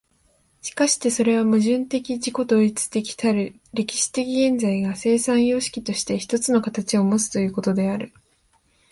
しかしてそれは矛盾的自己同一たる歴史的現在が、生産様式として一つの形をもつということである。